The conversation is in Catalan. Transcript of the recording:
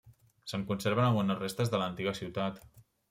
Se'n conserven algunes restes de l'antiga ciutat.